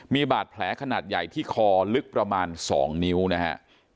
มีบาดแผลขนาดใหญ่ที่คอลึกประมาณ๒นิ้วนะฮะ